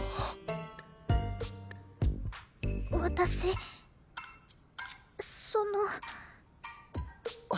私その。